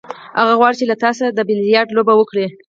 هغه غواړي چې له تا سره د بیلیارډ لوبه وکړي.